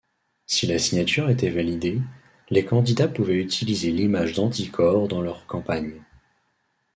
Si la signature était validée, les candidats pouvaient utiliser l'image d'Anticor dans leurs campagnes.